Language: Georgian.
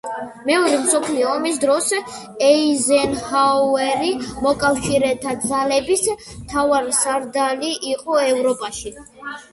მეორე მსოფლიო ომის დროს ეიზენჰაუერი მოკავშირეთა ძალების მთავარსარდალი იყო ევროპაში.